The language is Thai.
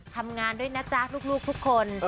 ทำงานด้วยนะจ๊ะลูกทุกคน